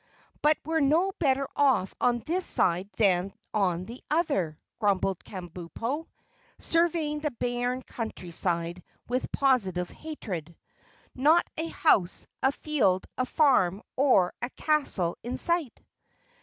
"But we're no better off on this side than on the other," grumbled Kabumpo, surveying the barren countryside with positive hatred. "Not a house, a field, a farm or a castle in sight."